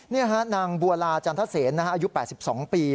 นี่ฮะนางบัวลาจันทเซนอายุ๘๒ปี